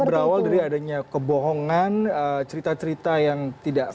jadi ini berawal dari adanya kebohongan cerita cerita yang tidak palit